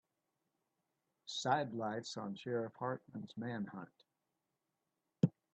Sidelights on Sheriff Hartman's manhunt.